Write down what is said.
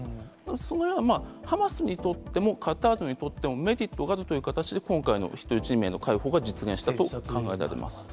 そのへんはハマスにとっても、カタールにとってもメリットがあるという形で、今回の人質２名の解放が実現したと考えられます。